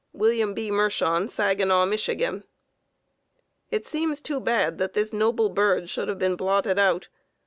Wm. B. Mershon, Saginaw, Mich.: It seems too bad that this noble bird should have been blotted out.